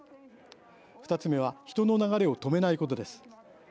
２つ目は人の流れを止めないことです。